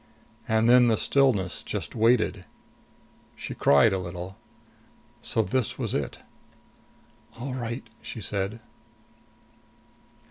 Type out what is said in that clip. And then the stillness just waited. She cried a little. So this was it. "All right," she said.